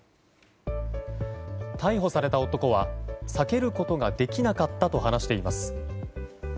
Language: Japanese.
逮捕された男は避けることができなかったと話しています。